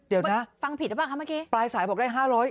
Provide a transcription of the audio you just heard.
เดี๋ยวฟังผิดหรือเปล่าคะเมื่อกี้ปลายสายบอกได้ห้าร้อย